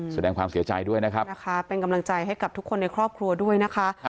แสดงความเสียใจด้วยนะครับนะคะเป็นกำลังใจให้กับทุกคนในครอบครัวด้วยนะคะ